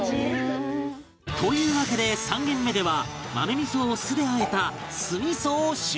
というわけで３軒目では豆味噌を酢で和えた酢味噌を習得